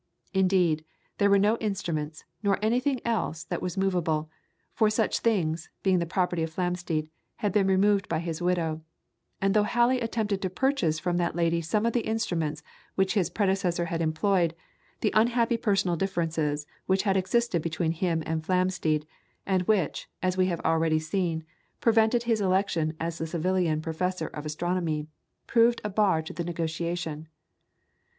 Indeed, there were no instruments, nor anything else that was movable; for such things, being the property of Flamsteed, had been removed by his widow, and though Halley attempted to purchase from that lady some of the instruments which his predecessor had employed, the unhappy personal differences which had existed between him and Flamsteed, and which, as we have already seen, prevented his election as Savilian Professor of Astronomy, proved a bar to the negotiation.